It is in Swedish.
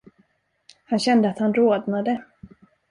Han kände, att han rodnade.